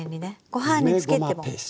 ご飯につけてもはい。